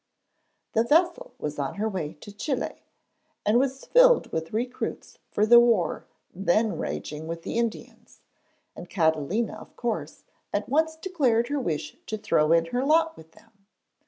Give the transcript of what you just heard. The vessel was on her way to Chili and was filled with recruits for the war then raging with the Indians, and Catalina of course at once declared her wish to throw in her lot with them.